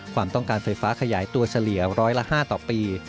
ความต้องการไฟฟ้าขยายตัวเฉลี่ยร้อยละ๕ต่อปี